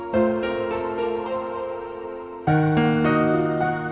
terima kasih mama